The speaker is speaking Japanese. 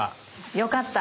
よかった。